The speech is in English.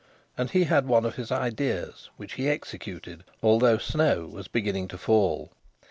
And he had one of his ideas, which he executed, although snow was beginning to fall.